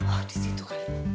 oh disitu kali